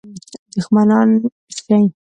دښمنان شي.